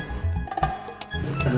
pak kum silahkan